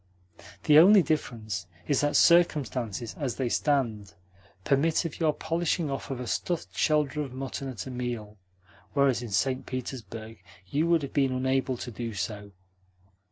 The only difference is that circumstances, as they stand, permit of your polishing off a stuffed shoulder of mutton at a meal; whereas in St. Petersburg you would have been unable to do so.